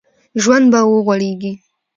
ژوند به وغوړېږي